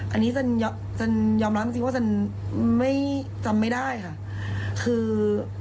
อันนี้ฉันยอมรับจริงว่าฉันไม่จำไม่ได้ค่ะคือ